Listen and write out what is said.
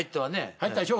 入ったでしょ